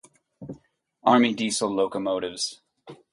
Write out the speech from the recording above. Army diesel locomotives.